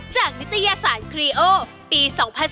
นิตยสารครีโอปี๒๐๑๙